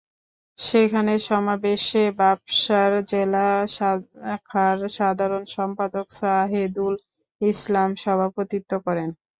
সেখানে সমাবেশে বাপসার জেলা শাখার সাধারণ সম্পাদক সাহেদুল ইসলাম সভাপতিত্ব করেন।